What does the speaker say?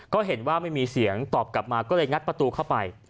ก็เห็นว่าไม่มีเสียงตอบกลับมาก็เลยงัดประตูเข้าไป